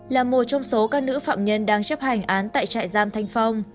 là một trong số các nữ phạm nhân đang chấp hành án tại trại giam thanh phong